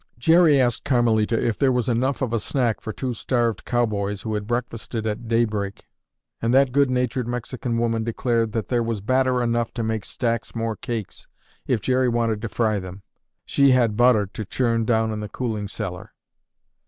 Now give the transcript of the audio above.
Jerry asked Carmelita if there was enough of a snack for two starved cowboys who had breakfasted at daybreak and that good natured Mexican woman declared that there was batter enough to make stacks more cakes if Jerry wanted to fry them. She had butter to churn down in the cooling cellar.